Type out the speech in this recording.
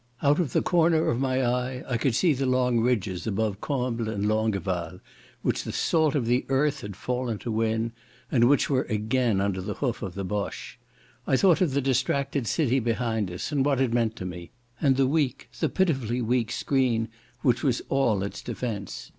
Out of the corner of my eye I could see the long ridges above Combles and Longueval which the salt of the earth had fallen to win, and which were again under the hoof of the Boche. I thought of the distracted city behind us and what it meant to me, and the weak, the pitifully weak screen which was all its defence.